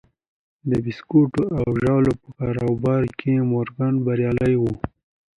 د بیسکويټو او ژاولو په کاروبار کې مورګان بریالی و